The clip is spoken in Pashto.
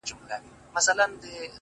• د وخت ناخوالي كاږم ـ